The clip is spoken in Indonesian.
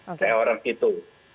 sewa helikopter orang itu